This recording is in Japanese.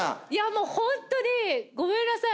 もうホントにごめんなさい。